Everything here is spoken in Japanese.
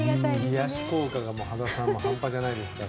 癒やし効果が羽田さん、半端ないですから。